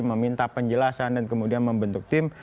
meminta penjelasan dan kemudian membentuk tim